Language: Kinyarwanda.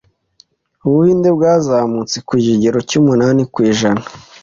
ubuhinde bwazamutse ku kigero cyu umunani kwijana